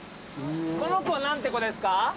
この子は何て子ですか？